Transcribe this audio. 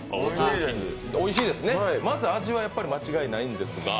おいしいですね、まず味は間違いないんですが。